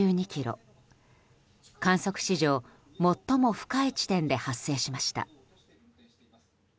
観測史上最も深い地点で発生しました。